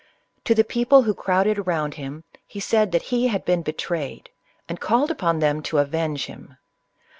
To the people who crowded round him, he said that he had been be trayed, and called upon them to avenge him.